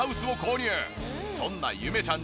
そんなゆめちゃん